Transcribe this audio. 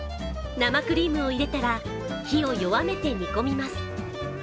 生クリームを入れたら火を弱めて煮込みます。